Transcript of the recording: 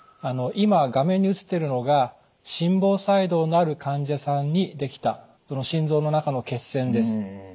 今画面に映ってるのが心房細動のある患者さんにできたその心臓の中の血栓です。